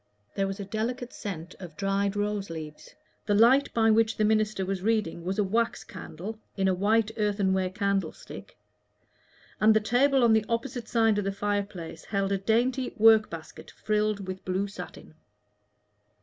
There was a delicate scent of dried rose leaves; the light by which the minister was reading was a wax candle in a white earthenware candle stick, and the table on the opposite side of the fireplace held a dainty work basket frilled with blue satin.